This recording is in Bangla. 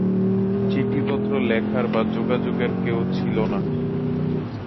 চিঠিপত্র লেখার বা যোগাযোগের কেউ ছিল না।